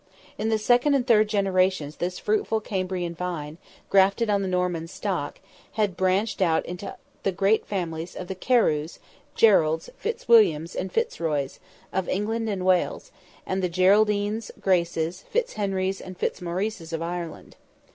In the second and third generations this fruitful Cambrian vine, grafted on the Norman stock, had branched out into the great families of the Carews, Gerards, Fitzwilliams, and Fitzroys, of England and Wales, and the Geraldines, Graces, Fitz Henries, and Fitz Maurices, of Ireland.